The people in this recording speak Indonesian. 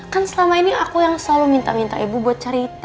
kan selama ini aku yang selalu minta minta ibu buat cerita